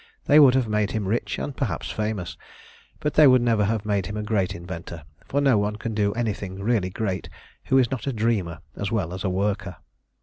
They would have made him rich, and perhaps famous, but they would never have made him a great inventor; for no one can do anything really great who is not a dreamer as well as a worker.